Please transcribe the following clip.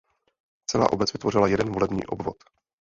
Celá obec vytvořila jeden volební obvod.